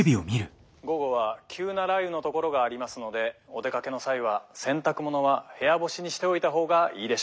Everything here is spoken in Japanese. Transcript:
午後は急な雷雨の所がありますのでお出かけの際は洗濯物は部屋干しにしておいた方がいいでしょう。